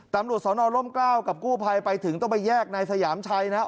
ตำรวจสนร่มกล้าวกับกู้ภัยไปถึงต้องไปแยกนายสยามชัยนะครับ